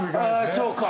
あそうか。